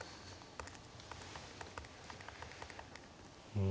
うん。